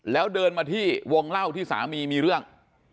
แล้วเดินมาที่วงเล่าที่สามีมีเรื่อง